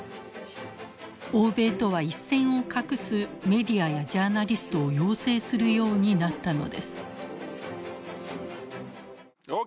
欧米とは一線を画すメディアやジャーナリストを養成するようになったのです。